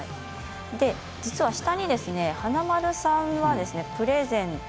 実は下に華丸さんはプレゼント。